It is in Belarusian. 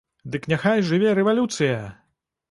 Дык няхай жыве рэвалюцыя!